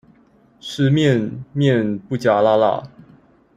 吃麵麵不加辣辣